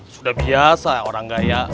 sudah biasa orang gaya